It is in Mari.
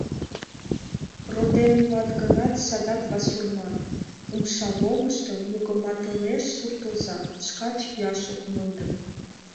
— Родем улат гынат, садак басурман... — умшавомышто мугыматылеш суртоза, шкат йӱаш ок мондо.